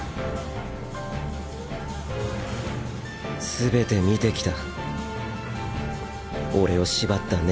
全て見てきた。